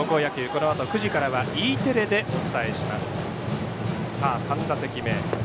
このあと９時からはＥテレでお伝えします。